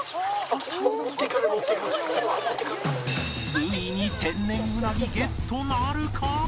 ついに天然ウナギゲットなるか？